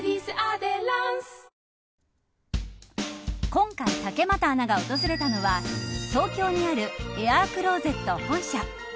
今回、竹俣アナが訪れたのは東京にあるエアークローゼット本社。